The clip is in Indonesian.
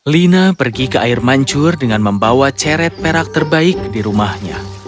lina pergi ke air mancur dengan membawa ceret perak terbaik di rumahnya